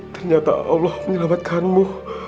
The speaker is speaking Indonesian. ternyata allah menyelamatkanmu